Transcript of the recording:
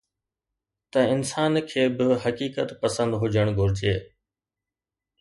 ته انسان کي به حقيقت پسند هجڻ گهرجي.